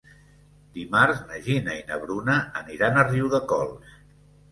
Dimarts na Gina i na Bruna aniran a Riudecols.